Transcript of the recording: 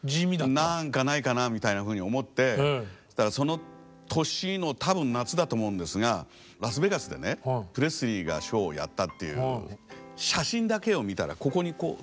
何かないかなみたいなふうに思ってその年の多分夏だと思うんですがラスベガスでねプレスリーがショーをやったっていう写真だけを見たらここにこう何かこんなふうについて。